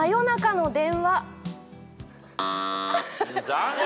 残念。